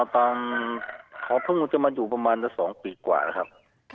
อ๋อตอนเขาเพิ่งจะมาอยู่ประมาณสัก๒ปีกว่านะครับ